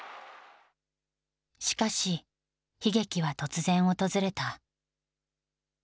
しかし、悲劇は突然訪れた。